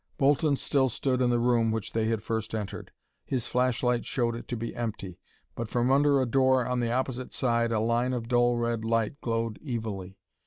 Bolton still stood in the room which they had first entered. His flashlight showed it to be empty, but from under a door on the opposite side a line of dull red light glowed evilly.